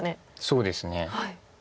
そうですね。